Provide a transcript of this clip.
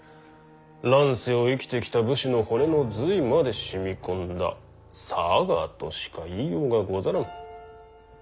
乱世を生きてきた武士の骨の髄までしみ込んだサガとしか言いようがござらん。